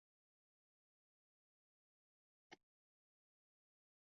李朝隐改调任岐州刺史。